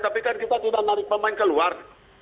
tapi kan kita sudah narik pemain keluar